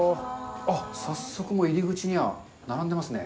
あっ、早速、入り口には並んでますね。